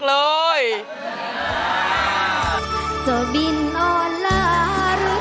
รายการต่อไปนี้เป็นรายการทั่วไปสำหรับชมได้ทุกวัย